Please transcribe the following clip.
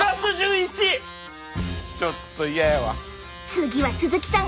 次は鈴木さん